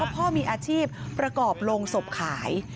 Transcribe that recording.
พ่อมีอาชีพประกอบโรงศพขาย